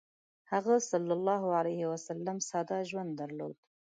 هغه ﷺ ساده ژوند درلود.